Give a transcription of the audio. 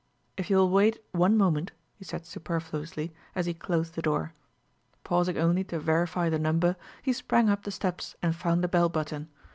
"If you'll wait one moment," he said superfluously, as he closed the door. Pausing only to verify the number, he sprang up the steps and found the bell button.